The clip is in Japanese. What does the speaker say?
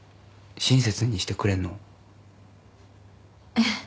えっ？